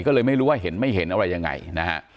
ก็เลยไม่รู้ว่าเห็นไม่เห็นอะไรยังไงนะฮะ